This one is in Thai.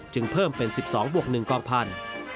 เพิ่มเป็น๑๒บวก๑กองพันธุ์